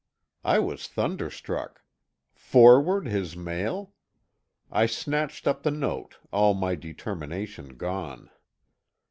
I was thunderstruck. Forward his mail! I snatched up the note, all my determination gone.